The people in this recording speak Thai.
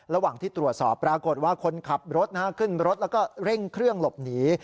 ระหว่างที่ตรวจสอบปรากฏว่าคนขับรถขึ้นรถแล้วก็เร่งเครื่องหลบหนี